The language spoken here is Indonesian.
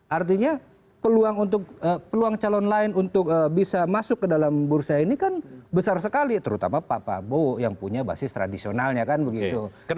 artinya peluang calon lain untuk bisa masuk ke dalam bursa ini kan besar sekali terutama pak prabowo yang punya basis tradisionalnya kan begitu